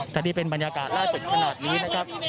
ตะดี้เป็นบรรยากาศละล